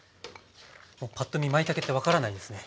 パッと見まいたけって分からないですね。